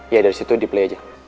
ya dari situ diplay aja